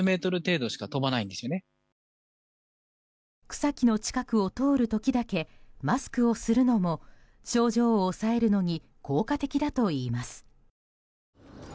草木の近くを通る時だけマスクをするのも症状を抑えるのに効果的だといいます。